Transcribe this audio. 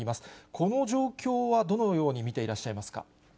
この状況はどのように見ていらっしゃいますか。